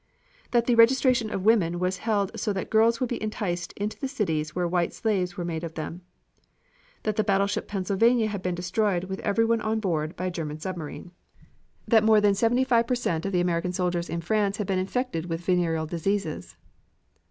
That the registration of women was held so that girls would be enticed into the cities where white slaves were made of them. That the battleship Pennsylvania had been destroyed with everyone on board by a German submarine. That more than seventy five per cent of the American soldiers in France had been infected with venereal diseases.